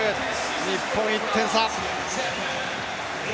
日本１点差。